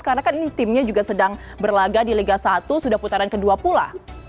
karena kan ini timnya juga sedang berlaga di liga satu sudah putaran kedua pula